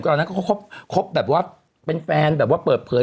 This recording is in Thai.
ตอนนั้นเขาคบแบบว่าเป็นแฟนแบบว่าเปิดเผย